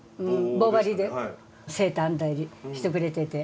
棒針でセーター編んだりしてくれてて。